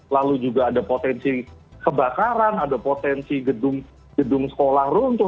lalu juga ada potensi kebakaran ada potensi gedung sekolah runtuh